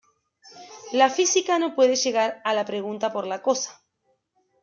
La física no puede llegar a la pregunta por la cosa.